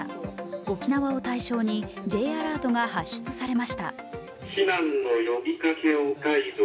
沖縄を対象にＪアラートが発出されました。